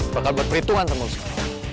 bakal buat perhitungan sama sekali